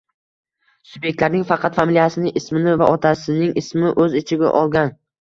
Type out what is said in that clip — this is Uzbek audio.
subyektlarning faqat familiyasini, ismini va otasining ismini o‘z ichiga olgan;